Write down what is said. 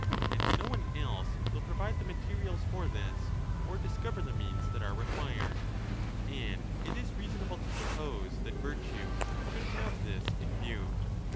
And no one else will provide the materials for this or discover the means that are required. And it is 20 reasonable to suppose that virtue should have this in view.